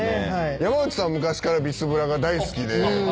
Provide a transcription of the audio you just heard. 山内さんは昔からビスブラが大好きで。